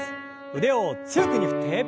腕を強く上に振って。